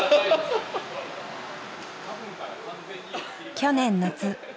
去年夏。